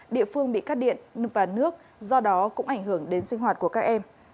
địa phương bị cắt điện và nước do đó cũng ảnh hưởng đến sinh hoạt của các em